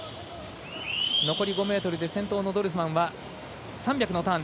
残り５ｍで先頭のドルスマンは３００のターン。